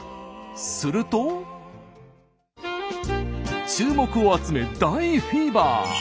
すると注目を集め大フィーバー。